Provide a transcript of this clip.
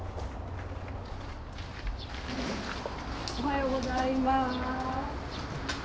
おはようございます。